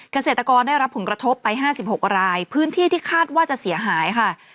เกษตรกรได้รับผลกระทบไป๕๖รายพื้นที่ที่คาดว่าจะเสียหายค่ะ